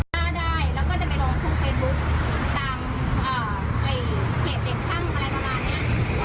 จะเป็นหัวเข็มขัดก็แล้วแต่